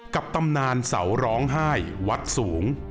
ตำนานเสาร้องไห้วัดสูง